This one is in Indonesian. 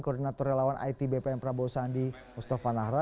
koordinator relawan it bpn prabowo sandi mustafa nahra